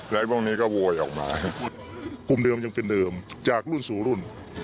แล้วพวกนี้ก็โวยออกมากลุ่มเดิมยังเป็นเดิมจากรุ่นสู่รุ่น